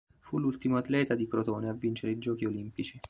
Fu l'ultimo atleta di Crotone a vincere i giochi olimpici.